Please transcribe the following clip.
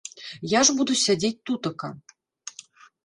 Я ж буду сядзець тутака.